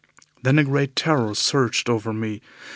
Then a great terror surged over me.